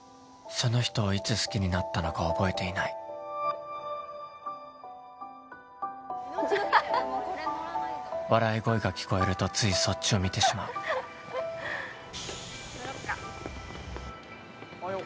その人をいつ好きになったのか覚えていない笑い声が聞こえるとついそっちを見てしまう・乗ろっかおはよう